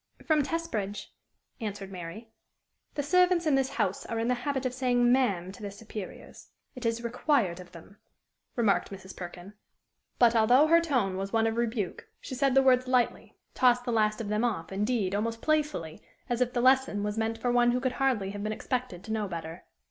"From Testbridge," answered Mary. "The servants in this house are in the habit of saying ma'am to their superiors: it is required of them," remarked Mrs. Perkin. But, although her tone was one of rebuke, she said the words lightly, tossed the last of them off, indeed, almost playfully, as if the lesson was meant for one who could hardly have been expected to know better.